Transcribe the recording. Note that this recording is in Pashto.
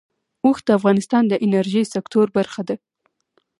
اوښ د افغانستان د انرژۍ سکتور برخه ده.